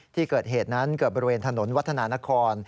ที่เกิดเหตุนั้นเกิดบริเวณถนนวัฒนานคร